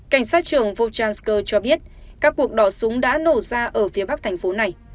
cảnh sát trưởng vochansker cho biết các cuộc đỏ súng đã nổ ra ở phía bắc thành phố này